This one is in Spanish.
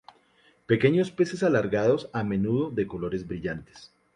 Pequeños peces alargados a menudo de colores brillantes.